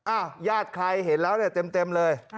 ญาติใครเห็นแล้วเนี่ยเต็มเลย